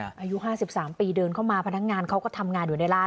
อายุ๕๓ปีเดินเข้ามาพนักงานเขาก็ทำงานอยู่ในร้าน